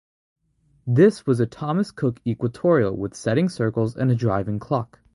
This was a Thomas Cooke equatorial with setting circles and a driving clock.